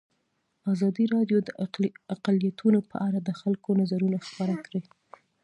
ازادي راډیو د اقلیتونه په اړه د خلکو نظرونه خپاره کړي.